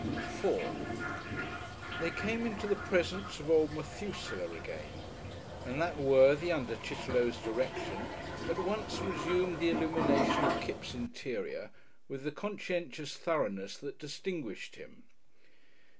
§4 They came into the presence of old Methusaleh again, and that worthy under Chitterlow's direction at once resumed the illumination of Kipps' interior with the conscientious thoroughness that distinguished him.